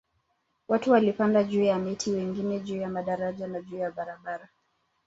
Watu walipanda juu ya miti wengine juu ya madaraja na juu ya barabara